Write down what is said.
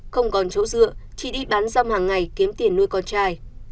không còn chấu dựa chỉ đi bán rong hàng ngày kiếm tiền nuôi con trai